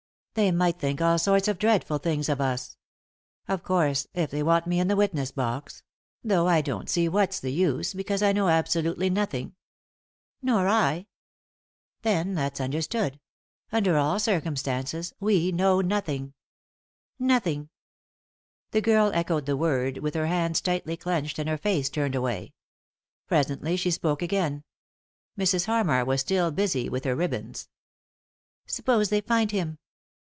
They might think all sorts of dreadful things of us. Of course, if they want me in the witness box— though I don't see what's the use, because I know absolutely nothing." "Nor I." " Then that's understood ; under all circumstances, we know nothing." 36 3i 9 iii^d by Google THE INTERRUPTED KISS " Nothing." The girl echoed the word with her hands tightly clenched and her face tamed away. Presently she spoke again; Mrs. Harraar was still busy with her ribbons. " Suppose they find him